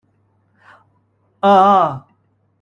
啊呀